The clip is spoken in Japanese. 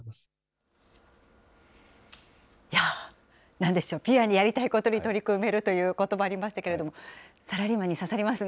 なんでしょう、ピュアにやりたいことに取り組めるということもありましたけれども、サラリーマンに刺さりますね。